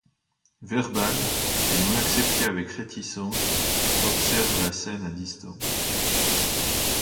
Verbal, ayant accepté avec réticence, observe la scène à distance.